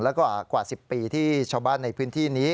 แล้วก็กว่า๑๐ปีที่ชาวบ้านในพื้นที่นี้